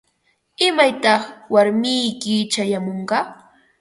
¿Imaytaq warmiyki chayamunqa?